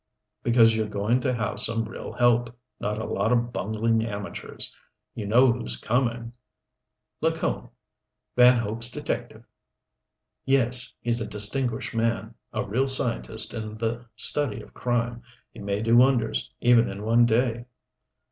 "Because you're going to have some real help not a lot of bungling amateurs. You know who's coming?" "Lacone Van Hope's detective." "Yes. He's a distinguished man a real scientist in the study of crime. He may do wonders, even in one day."